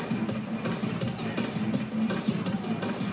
วันที่เด็ดเยอะเฟ้ย